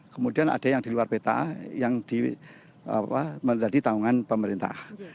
kemudian ada yang di luar peta yang di apa merupakan tanggungan pemerintah